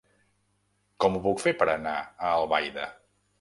Com ho puc fer per anar a Albaida?